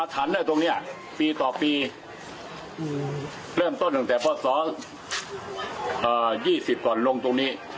อธันต์ได้ตรงเนี้ยปีต่อปีอืมเริ่มต้นตั้งแต่พ่อสองเอ่อยี่สิบก่อนลงตรงนี้